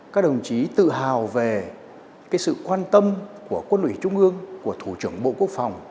các đồng chí tự hào về cái sự quan tâm của quân ủy trung ương của thủ trưởng quốc tế